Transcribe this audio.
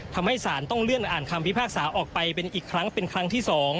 สารต้องเลื่อนอ่านคำพิพากษาออกไปเป็นอีกครั้งเป็นครั้งที่๒